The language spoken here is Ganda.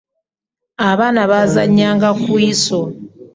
abaana bbazanya nga kwiso